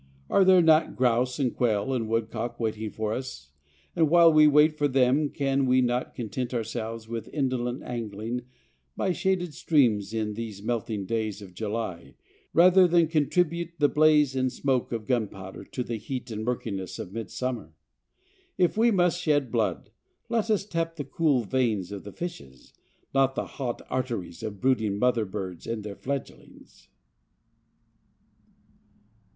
Are there not grouse and quail and woodcock waiting for us, and while we wait for them can we not content ourselves with indolent angling by shaded streams in these melting days of July rather than contribute the blaze and smoke of gunpowder to the heat and murkiness of midsummer? If we must shed blood let us tap the cool veins of the fishes, not the hot arteries of brooding mother birds and their fledgelings.